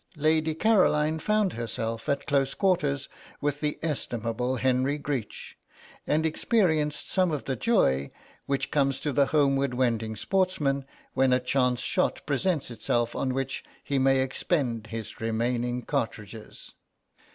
Lady Caroline found herself at close quarters with the estimable Henry Greech, and experienced some of the joy which comes to the homeward wending sportsman when a chance shot presents itself on which he may expend his remaining cartridges.